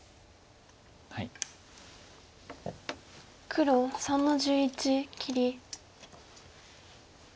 黒３の十一切り。